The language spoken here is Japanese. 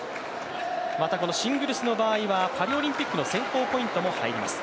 またシングルスの場合はパリオリンピックの選考ポイントも入ります。